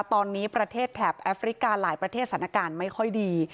ตอนนี้ประเทศแถบแอฟริกาหลายประเทศสถานการณ์ไม่ค่อยดี